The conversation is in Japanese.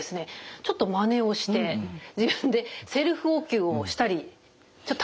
ちょっとまねをして自分でセルフお灸をしたりちょっと試したことあるんです。